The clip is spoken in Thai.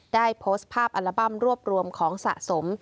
ได้โพสต์ภาพอัลบั้มรวบรวมของสะสม